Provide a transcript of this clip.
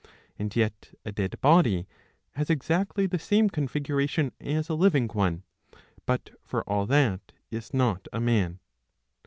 And yet a dead body has exactly the same configuration as a living one ; but for all that is not a man.